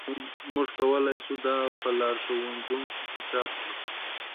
موږ کولی شو دا په لارښودونو کې چاپ کړو